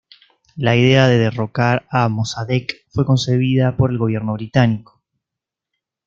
La idea de derrocar a Mosaddeq fue concebida por el gobierno británico.